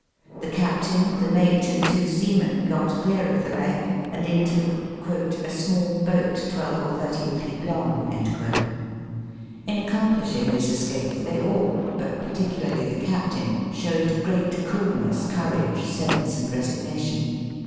The captain, the mate, and two seamen, got clear of the wreck and into " a small boat twelve or thirteen feet long." In accom plishing this escape, they all, but particularly the captain, showed great coolness, courage, sense, and resignation.